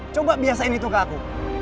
coba biasain itu ke aku